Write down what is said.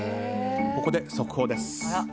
ここで速報です。